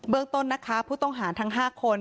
ต้นนะคะผู้ต้องหาทั้ง๕คน